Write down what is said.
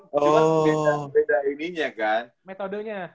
beda beda ininya kan